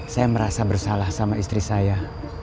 saya merasa bersalah sama istri saya